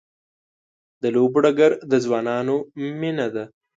د لوبو ډګر د ځوانانو مینه ده.